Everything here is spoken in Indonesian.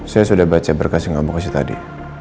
saya sudah baca berkas yang kamu kasih tadi